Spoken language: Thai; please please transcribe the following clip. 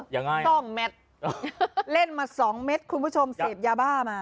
ยังไงซ่องแมทเล่นมาสองเม็ดคุณผู้ชมเสพยาบ้ามา